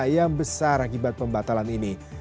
yang besar akibat pembatalan ini